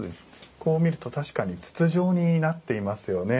こう見ると確かに筒状になっていますよね。